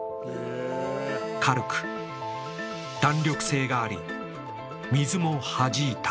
軽く弾力性があり水もはじいた。